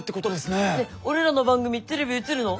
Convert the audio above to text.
ねっ俺らの番組テレビ映るの？